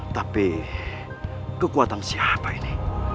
tapi kekuatan siapa ini